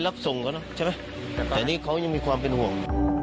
แต่นี่เขายังมีความเป็นห่วง